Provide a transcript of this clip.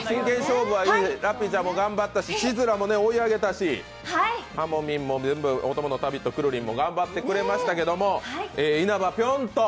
ラッピーちゃんも頑張ったし、シズラも追い上げたし、おとものタビット、くるりんも頑張ってくれましたけど、因幡ぴょん